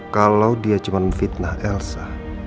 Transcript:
kalau dia cuman fitnah elsa